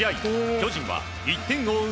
巨人は１点を追う